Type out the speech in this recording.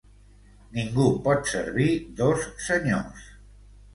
Ningú pot servir dos senyors.